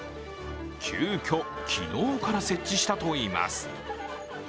急きょ、昨日から設置したといいます。